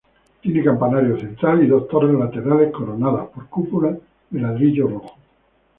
Tiene un campanario central y dos torres laterales coronadas por cúpulas de ladrillo rojo.